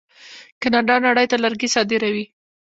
کاناډا نړۍ ته لرګي صادروي.